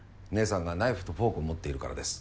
姐さんがナイフとフォークを持っているからです。